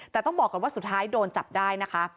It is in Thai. แต่ต้องบอกก่อนว่าสุดท้ายโดนจับได้นะคะ